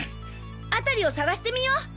あたりを探してみよう！